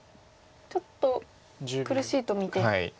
ちょっと苦しいと見て打開策。